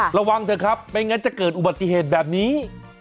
ระวังเถอะครับไม่งั้นจะเกิดอุบัติเหตุแบบนี้